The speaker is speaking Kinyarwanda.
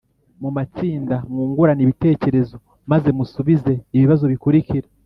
mu matsinda, mwungurane ibitekerezo, maze musubize ibibazo bikurikira